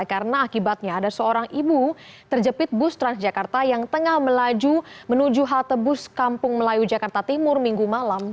karena akibatnya ada seorang ibu terjepit bus transjakarta yang tengah melaju menuju halte bus kampung melayu jakarta timur minggu malam